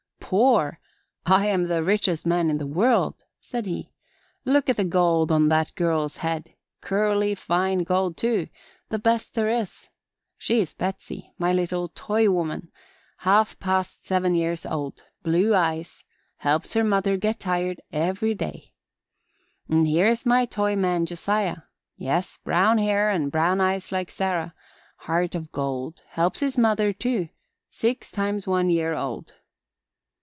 "Poor! I'm the richest man in the world," said he. "Look at the gold on that girl's head curly, fine gold, too the best there is. She's Betsey my little toy woman half past seven years old blue eyes helps her mother get tired every day. Here's my toy man Josiah yes, brown hair and brown eyes like Sarah heart o' gold helps his mother, too six times one year old."